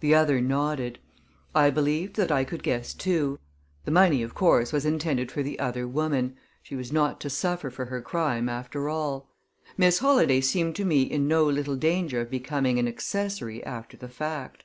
The other nodded. I believed that I could guess, too. The money, of course, was intended for the other woman she was not to suffer for her crime, after all. Miss Holladay seemed to me in no little danger of becoming an accessory after the fact.